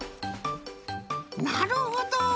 なるほど！